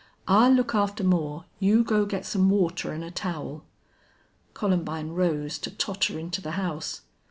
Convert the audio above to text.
"I'll look after Moore. You go get some water an' a towel." Columbine rose to totter into the house.